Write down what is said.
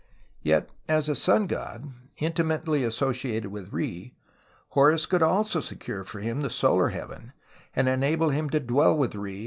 Yet as a sun god, intimately associated with Re, Horus could also secure for him the solar heaven and enable him to dwell with Re.